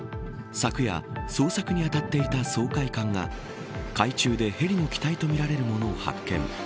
昨夜、捜索に当たっていた掃海艦が海中でヘリの機体とみられるものを発見。